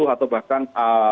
empat puluh atau bahkan